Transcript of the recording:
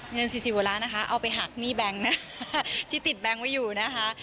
เงิน๔๐กว่าล้านนะคะเอาไปหักหนี้แบงค์ที่ติดแบงค์ไว้อยู่นะคะ